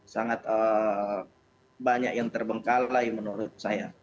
sangat banyak yang terbengkalai menurut saya